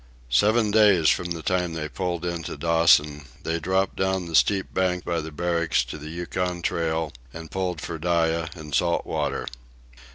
Seven days from the time they pulled into Dawson, they dropped down the steep bank by the Barracks to the Yukon Trail, and pulled for Dyea and Salt Water.